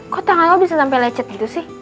kok tangan lo bisa sampe lecet gitu sih